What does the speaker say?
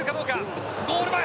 ゴール前。